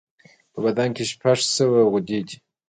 په بدن شپږ سوه غدودي دي.